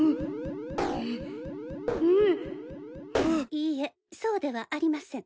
いいえそうではありません。